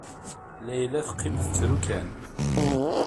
Layla teqqim tettru kan.